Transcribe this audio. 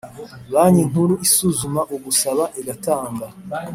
Banki Nkuru isuzuma ugusaba igatanga